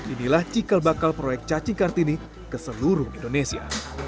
inilah cikal bakal proyek cacing kartini ke seluruh indonesia